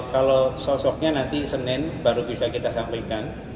kalau sosoknya nanti senin baru bisa kita sampaikan